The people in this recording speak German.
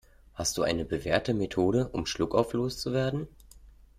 Hast du eine bewährte Methode, um Schluckauf loszuwerden?